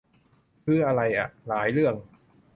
คืออะไรอ่ะ หลายเรื่อง